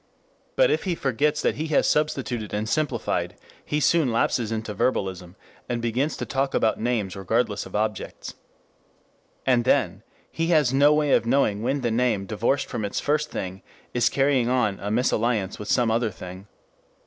But if he forgets that he has substituted and simplified, he soon lapses into verbalism, and begins to talk about names regardless of objects. And then he has no way of knowing when the name divorced from its first thing is carrying on a misalliance with some other thing.